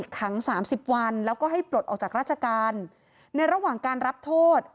ขังสามสิบวันแล้วก็ให้ปลดออกจากราชการในระหว่างการรับโทษ